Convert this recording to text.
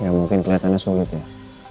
ya mungkin keliatannya sulit ya